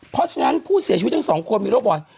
เพราะฉะนั้นผู้เสียชีวิตทั้งสองคนมีโรคบ่อย